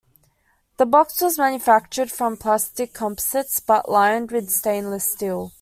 The box was manufactured from plastic composites but lined with stainless steel.